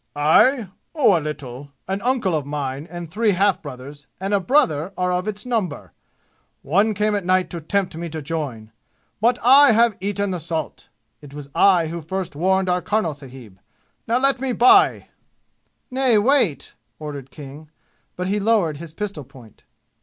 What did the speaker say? "I? Oh, a little. An uncle of mine, and three half brothers, and a brother are of its number! One came at night to tempt me to join but I have eaten the salt. It was I who first warned our karnal sahib. Now, let me by!" "Nay, wait!" ordered King. But he lowered his pistol point.